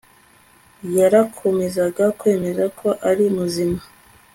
yarakomezaga kwemeza ko ari muzima